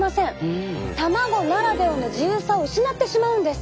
卵ならではの自由さを失ってしまうんです。